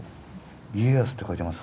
家康って書いてます？